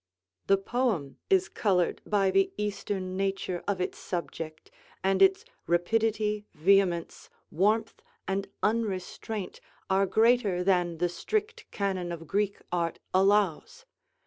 The poem is colored by the Eastern nature of its subject, and its rapidity, vehemence, warmth, and unrestraint are greater than the strict canon of Greek art allows.